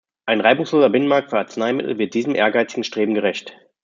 Ein reibungsloser Binnenmarkt für Arzneimittel wird diesem ehrgeizigen Streben gerecht.